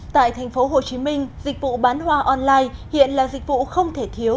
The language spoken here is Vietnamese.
tại thành phố hồ chí minh dịch vụ bán hoa online hiện là dịch vụ không thể thiếu